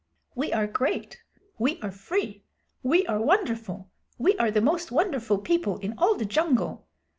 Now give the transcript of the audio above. "We are great. We are free. We are wonderful. We are the most wonderful people in all the jungle!